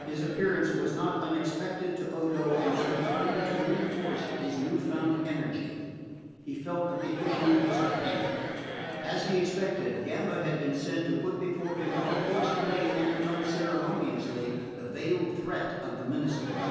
His appearance was not unexpected to Odo, and served only to reinforce his new found energy. He felt that the issue was at hand. As he expected, Gamba had been sent to put before him more forcibly and unceremoniously the veiled threat of the ministers.